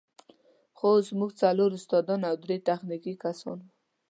خو اوس موږ څلور استادان او درې تخنیکي کسان وو.